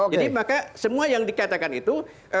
jadi maka semua yang dikatakan itu